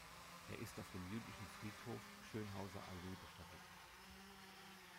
Er ist auf dem Jüdischen Friedhof Schönhauser Allee bestattet.